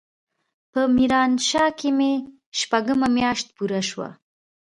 په ميرانشاه کښې مې شپږمه مياشت پوره سوه.